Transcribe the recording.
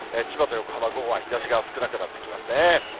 千葉と横浜、午後は日ざしが少なくなってきますね。